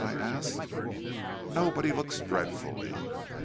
I asked. "'No; but he looks dreadfully.